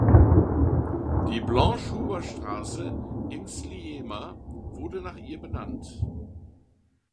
Die "Blanche Huber" Straße in Sliema wurde nach ihr benannt.